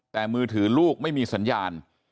แต่มือถือลูกไม่มีสัญญาณ